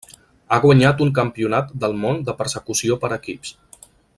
Ha guanyat un Campionat del món de persecució per equips.